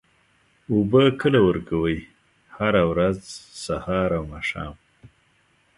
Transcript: اوبه کله ورکوئ؟ هره ورځ، سهار او ماښام